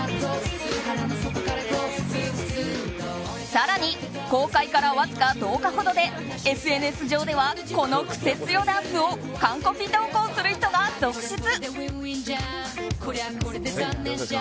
更に公開からわずか１０日程でＳＮＳ上ではこのクセ強ダンスを完コピ投稿する人が続出。